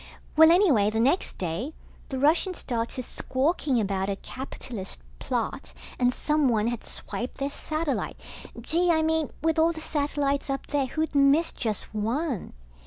Well, anyway the next day, the Russians started squawking about a capitalist plot, and someone had swiped their satellite. Gee, I mean with all the satellites up there, who'd miss just one?